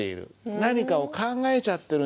「何かを考えちゃってるんじゃない？」